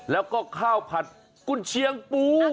แล้วก็ข้าวผัดกุญเชียงปู